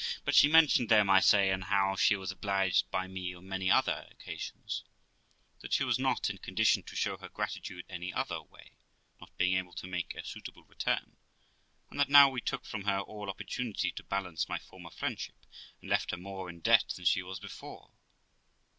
But she mentioned them, I say, and how she was obliged by me on many other occasions; that she was not in condition to show her gratitude any other way, not being able to make a suitable return; and that now we took from her all opportunity to balance my former friendship, and left her more in debt than she was before.